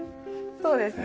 そうですね